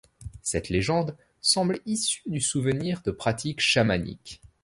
Cette légende semble issue du souvenir de pratiques chamaniques.